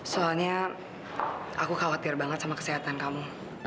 soalnya aku khawatir banget sama kesehatan kamu